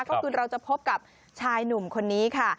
ก็คือเราจะพบกับชายหนุ่มคนนี้ค่ะ